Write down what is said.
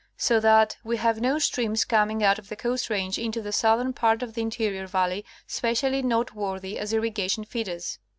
So that we have no streams coming out of the Coast Range into the southern part of the interior valley specially noteworthy as irriga tion feeders.